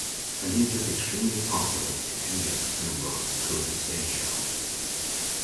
Haneef is extremely popular in India and abroad through his stage shows.